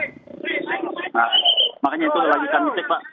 nah makanya itu sudah lagi kami cek pak